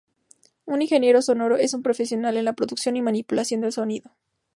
Un ingeniero sonoro es un profesional en la producción y manipulación del sonido.